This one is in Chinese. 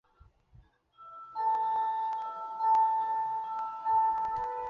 朱伯儒积极学雷锋。